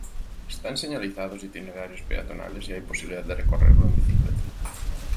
Están señalizados itinerarios peatonales y hay posibilidad de recorrerlo en bicicleta.